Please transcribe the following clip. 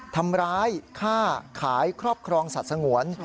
ทำร้ายค่าขายครอบครองสัตว์สงวน